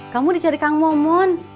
kamu dicari kang momon